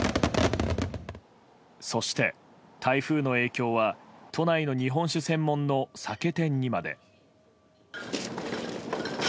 そして、台風の影響は都内の日本酒専門の酒店にまで。